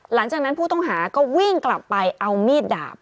หลังจากนั้นผู้ต้องหาก็วิ่งกลับไปเอามีดดาบ